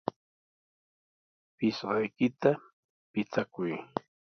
Pisqaykita pichakuy.